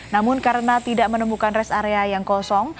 namun karena tidak menemukan rest area yang kosong